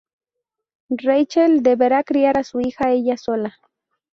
Rachel deberá criar a su hija ella sola.